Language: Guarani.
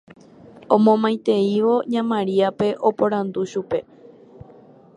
omomaiteívo ña Mariápe, oporandu chupe